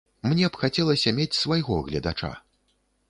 Мне б хацелася мець свайго гледача.